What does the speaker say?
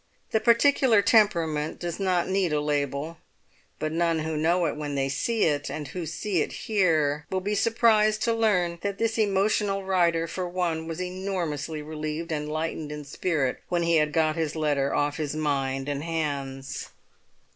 The particular temperament does not need a label; but none who know it when they see it, and who see it here, will be surprised to learn that this emotional writer for one was enormously relieved and lightened in spirit when he had got his letter off his mind and hands.